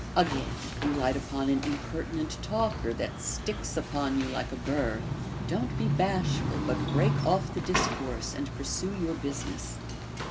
Again, you light upon an impertinent talker, that sticks upon you like a burr ; don't be bashful, but break off the discourse, and pursue your business.